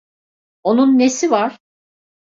Onun nesi var?